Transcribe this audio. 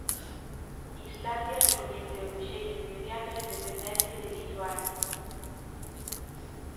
Islandia recoñeceu de xeito inmediato a independencia de Lituania.